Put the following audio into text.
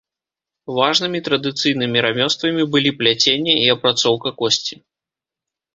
Важнымі традыцыйнымі рамёствамі былі пляценне і апрацоўка косці.